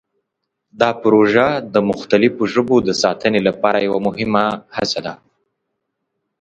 دا پروژه د مختلفو ژبو د ساتنې لپاره یوه مهمه هڅه ده.